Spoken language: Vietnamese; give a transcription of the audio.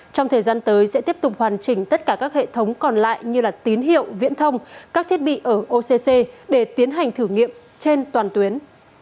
trong thời gian tới sẽ tiếp tục hoàn chỉnh tất cả các hệ thống còn lại như tín hiệu viễn thông các thiết bị ở occ để tiến hành thử nghiệm trên toàn tuyến